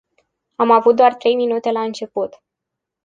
Am avut doar trei minute la început.